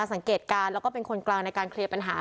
สังเกตการณ์แล้วก็เป็นคนกลางในการเคลียร์ปัญหา